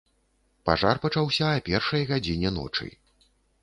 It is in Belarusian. Пажар пачаўся а першай гадзіне ночы.